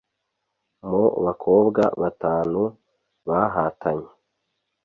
Mu bakobwa batanu bahatanye